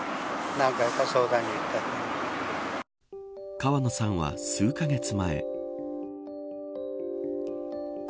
川野さんは数カ月前。